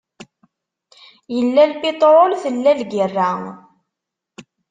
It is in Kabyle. Yella lpiṭrul, tella lgirra.